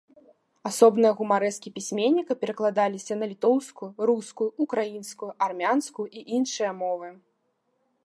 Асобныя гумарэскі пісьменніка перакладаліся на літоўскую, рускую, украінскую, армянскую і іншыя мовы.